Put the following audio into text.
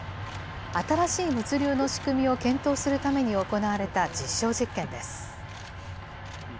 新しい物流の仕組みを検討するために行われた実証実験です。